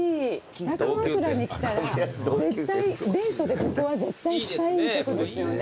北鎌倉に来たらデートでここは絶対来たいとこですよね。